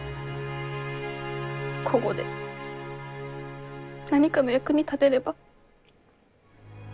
こごで何かの役に立てれば。